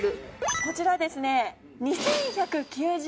こちらですね。